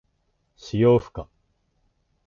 使用不可。